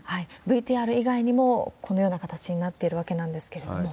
ＶＴＲ以外にも、このような形になっているわけなんですけれども。